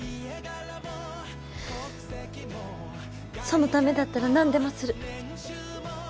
そのためだったら何でもする。